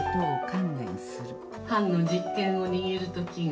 藩の実権を握る時が」。